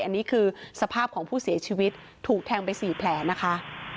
อันนี้คือสภาพของผู้เสียชีวิตถูกแทงไป๔แผลนะคะ